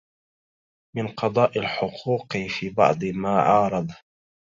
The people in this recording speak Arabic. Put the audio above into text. من قضاء الحقوق في بعض ما عارض